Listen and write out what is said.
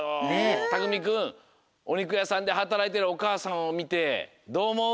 たくみくんおにくやさんではたらいてるおかあさんをみてどうおもう？